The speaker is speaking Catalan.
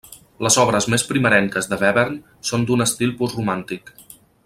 Les obres més primerenques de Webern són d'un estil postromàntic.